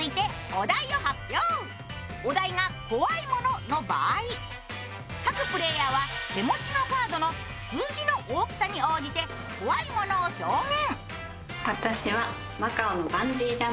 お題が怖いものの場合、各プレーヤーは手持ちカードの数字の大きさに応じて怖いものを表現。